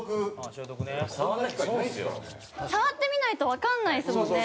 触ってみないとわかんないですもんね。